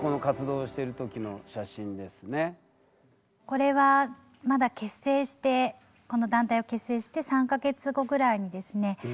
これはまだ結成してこの団体を結成して３か月後ぐらいにですね